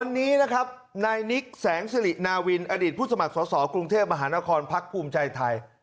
วันนี้นะครับนายนิกแสงสิรินาวินอดีตผู้สมัครสอสอกรุงเทพมหานครพักภูมิใจไทย